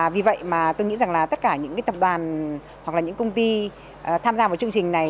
vì vậy tôi nghĩ rằng tất cả những tập đoàn hoặc những công ty tham gia vào chương trình này